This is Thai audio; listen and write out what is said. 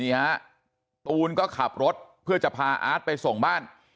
ฮะตูนก็ขับรถเพื่อจะพาอาร์ตไปส่งบ้าน